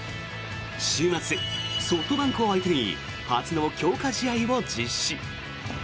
週末、ソフトバンクを相手に初の強化試合を実施。